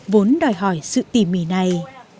vốn đòi hỏi sự tỉ mỉ này